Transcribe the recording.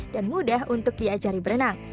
dan mudah untuk diajari berenang